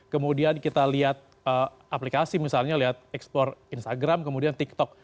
kemudian kita lihat aplikasi misalnya lihat ekspor instagram kemudian tiktok